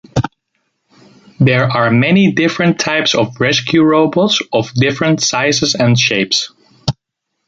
There are many different types of rescue robots of different sizes and shapes.